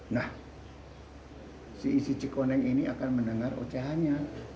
nah si isi cikoneng ini akan mendengar ocahannya